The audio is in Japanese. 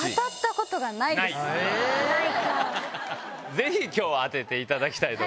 ぜひ今日は当てていただきたい。